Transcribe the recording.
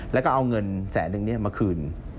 แล้วก็เอาเงินแสนหนึ่งเนี่ยมาคืน